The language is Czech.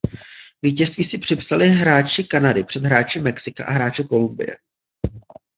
Vítězství si připsali hráči Kanady před hráči Mexika a hráči Kolumbie.